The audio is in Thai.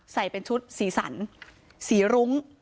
ใส่เป็นชุดศรีสรรษ์ศรีรุ้ง